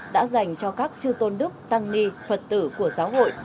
đã dành cho các chư tôn đức tăng ni phật tử của giáo hội